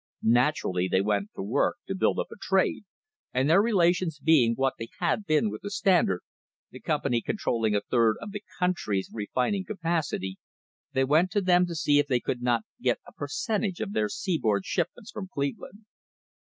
Naturally they went to work to build up a trade, and their relations being what they had been with the Standard, the company con trolling a third of the country's refining capacity, they went to them to see if they could not get a percentage of their seaboard shipments from Cleveland.